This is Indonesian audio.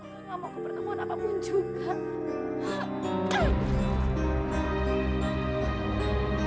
papa nggak mau ke pertemuan apapun juga